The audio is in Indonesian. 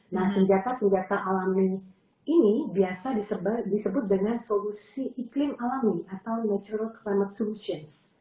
nah senjata senjata alami ini biasa disebut dengan solusi iklim alami atau natural climate solutions